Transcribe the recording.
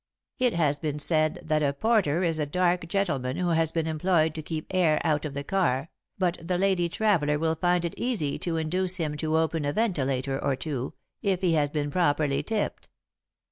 "'It has been said that a porter is a dark gentleman who has been employed to keep air out of the car, but the lady traveller will find it easy to induce him to open a ventilator or two if he has been properly tipped.